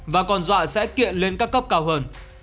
và còn dọa sẽ kiện lên các cấp cao hơn